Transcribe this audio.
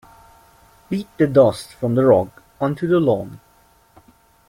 Beat the dust from the rug onto the lawn.